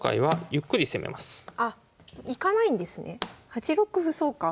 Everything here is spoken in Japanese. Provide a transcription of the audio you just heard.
８六歩そうか。